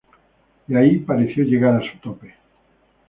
Y ahí pareció llegar a su tope.